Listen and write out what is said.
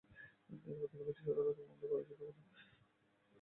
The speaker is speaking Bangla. তারপরও ব্রিটিশের আদালতে মামলা করা যেত, কোনো কোনো ক্ষেত্রে প্রতিকারও মিলত।